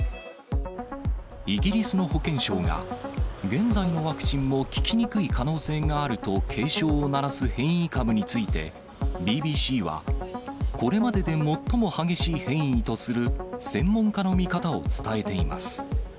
イギリスの保健省が、現在のワクチンも効きにくい可能性があると警鐘を鳴らす変異株について、ＢＢＣは、これまでで最も激しい変異とする、専門家の見方を伝えています。